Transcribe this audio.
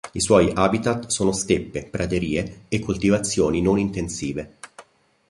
I suoi habitat sono steppe, praterie e coltivazioni non intensive.